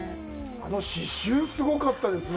あの刺しゅう、すごかったね。